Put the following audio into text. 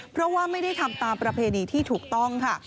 เพราะว่าไม่ได้ทำตามประเพณีที่ถูกต้องค่ะ